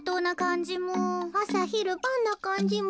あさひるばんなかんじも。